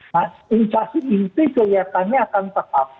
nah inflasi inti kelihatannya akan tetap